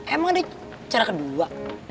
emang ada cara kedua